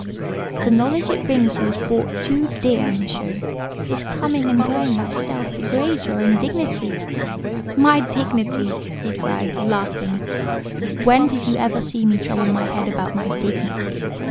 "The knowledge it brings you is bought too dear, Monsieur; this coming and going by stealth degrades your own dignity." "My dignity!" he cried, laughing; "when did you ever see me trouble my head about my dignity?